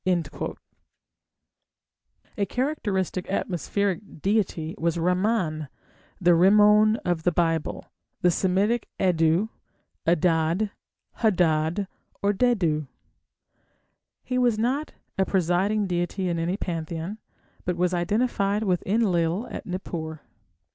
A characteristic atmospheric deity was Ramman, the Rimmon of the Bible, the Semitic Addu, Adad, Hadad, or Dadu. He was not a presiding deity in any pantheon, but was identified with Enlil at Nippur.